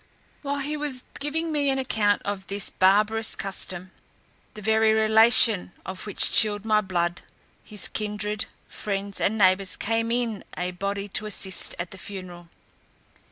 While he was giving me an account of this barbarous custom, the very relation of which chilled my blood, his kindred, friends, and neighbours, came in a body to assist at the funeral.